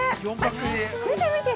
見て！